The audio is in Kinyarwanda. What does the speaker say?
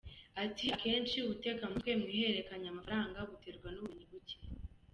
Ati “Akenshi ubutekamutwe mu ihererekanyamafanga buterwa n’ubumenyi buke.